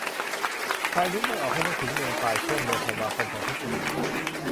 "ใครนึกไม่ออก ให้นึกถึงเมือง 'ปาย' ช่วงเดือนธันวาคมของทุกปี"